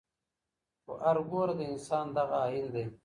خو هرګوره د انسان دغه آیین دی